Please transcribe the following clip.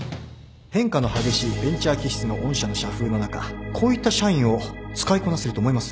変化の激しいベンチャー気質の御社の社風の中こういった社員を使いこなせると思います？